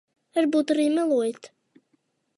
Varbūt arī melojat.